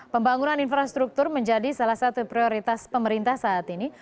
pembangunan infrastruktur menjadi salah satu prioritas pemerintah saat ini